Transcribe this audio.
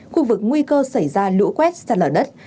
khu vực nguy cơ xảy ra lũ quét sạt lở đất